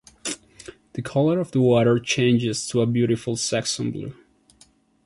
The color of the water changes to a beautiful Saxon blue.